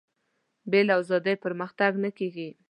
بې له ازادي پرمختګ نه کېږي.